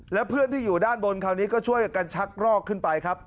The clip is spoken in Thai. แล้วเพื่อนที่อยู่ด้านบนคราวนี้ก็ช่วยกันชักรอกขึ้นไปครับ